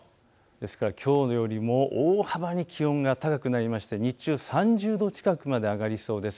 ですからきょうよりも大幅に気温が高くなりまして日中３０度近くまで上がりそうです。